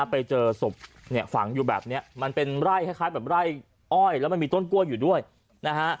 ไปเจอศพเนี่ยฝังอยู่แบบนี้มันเป็นไร่คล้ายแบบไร่อ้อยแล้วมันมีต้นกล้วยอยู่ด้วยนะฮะ